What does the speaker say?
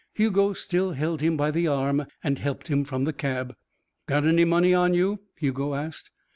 Hugo still held him by the arm and helped him from the cab. "Got any money on you?" Hugo asked.